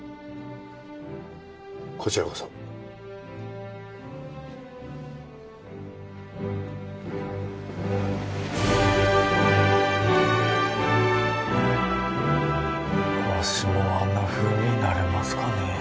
こちらこそわしもあんなふうになれますかね